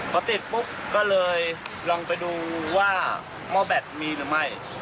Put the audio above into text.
พอติดปุ๊บก็เลยลองไปดูว่าหม้อแบตมีหรือไม่